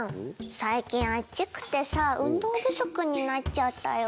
最近あっちくてさ運動不足になっちゃったよ。